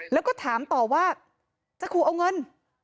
แล้วก็ถามต่อว่าจะขู่เอาเงิน